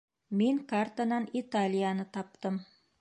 Мин картанан Италияны таптым.